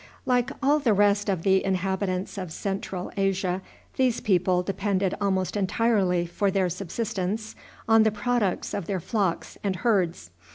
Like all the rest of the inhabitants of Central Asia, these people depended almost entirely for their subsistence on the products of their flocks and herds.